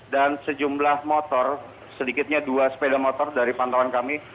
dan sejumlah motor sedikitnya dua sepeda motor dari pantauan kami